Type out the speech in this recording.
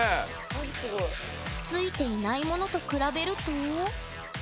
ついていないものと比べると。